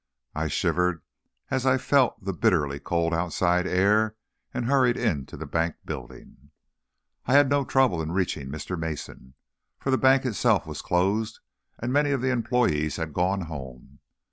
I shivered as I felt the bitterly cold outside air, and hurried into the bank building. I had no trouble in reaching Mr. Mason, for the bank itself was closed and many of the employees had gone home.